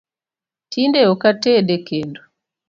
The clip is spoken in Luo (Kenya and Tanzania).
Tinde ok ated e kendo